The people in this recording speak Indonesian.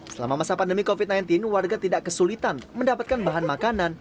selama masa pandemi covid sembilan belas warga tidak kesulitan mendapatkan bahan makanan